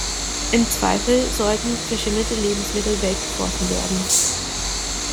Im Zweifel sollten verschimmelte Lebensmittel weggeworfen werden.